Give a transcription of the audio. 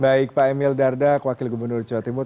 baik pak emil dardak wakil gubernur jawa timur